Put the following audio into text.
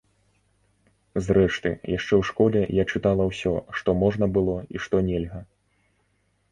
Зрэшты, яшчэ ў школе я чытала ўсё, што можна было і што нельга.